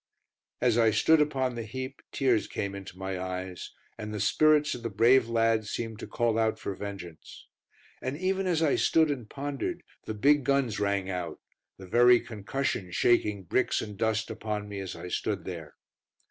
As I stood upon the heap tears came into my eyes, and the spirits of the brave lads seemed to call out for vengeance. And even as I stood and pondered, the big guns rang out, the very concussion shaking bricks and dust upon me as I stood there.